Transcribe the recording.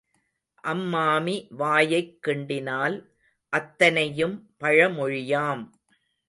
அம்மாமி வாயைக் கிண்டினால் அத்தனையும் பழமொழியாம்.